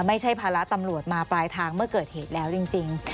ภาระตำรวจมาปลายทางเมื่อเกิดเหตุแล้วจริง